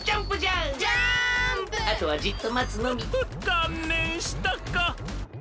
かんねんしたか！